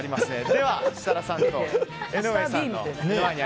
では設楽さんと江上さんに。